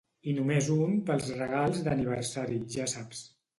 I només un pels regals d'aniversari, ja saps.